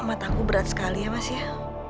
mataku berat sekali ya mas ya